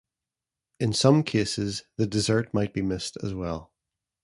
In some cases, the dessert might be missed as well.